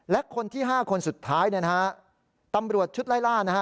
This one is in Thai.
และคนที่ห้าคนสุดท้ายนะฮะตำรวจชุดล่ายล่านะฮะ